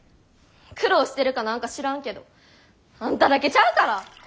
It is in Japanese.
苦労してるかなんか知らんけどあんただけちゃうから！